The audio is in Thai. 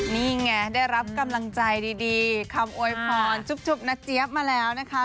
นี่ไงได้รับกำลังใจดีคำโวยพรจุ๊บนะเจี๊ยบมาแล้วนะคะ